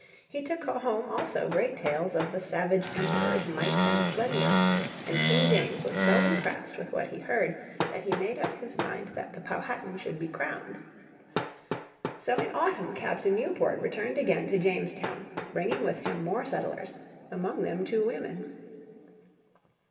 He took home also great tales of the savage Emperor's might and splendour. And King James was so impressed with what he heard that he made up his mind that the Powhatan should be crowned. So in autumn Captain Newport returned again to Jamestown, bringing with him more settlers, among them two women.